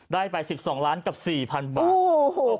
ได้ไป๑๒ล้านกับ๔๐๐๐บาท